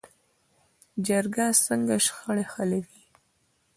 جرګه څنګه شخړې حلوي؟